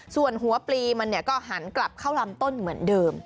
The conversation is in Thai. ส่วนหัวปลีมันก็หันกลับเข้าลำต้นเหมือนเดิม